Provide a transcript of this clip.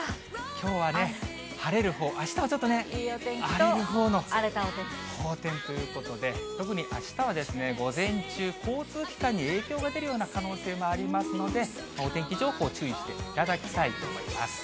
きょうはね、晴れるほう、あしたはちょっと荒れるほうの荒天ということで、特にあしたは午前中、交通機関に影響が出るような可能性もありますので、お天気情報注意していただきたいと思います。